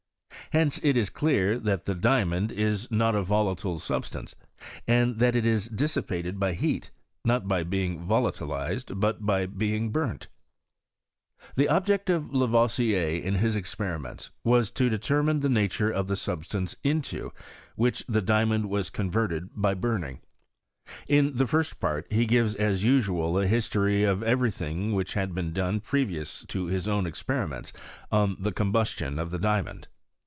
Hence it is clear that the diamond is not a volatile substance, and that it is dissipated by heat, not by being volatilized, but by being burnt. The object of Lavoisier in his experiments was to PROGRESS OF CHEMISTRY IK FRANCE. 87 determine the nature of the substance into which the diamond was converted by burning. In the first part he gives as usual a history of every thing which had been done previous to his own experiments on the combustion of the diamond.